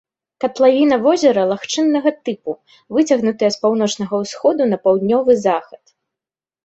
Катлавіна возера лагчыннага тыпу, выцягнутая з паўночнага ўсходу на паўднёвы захад.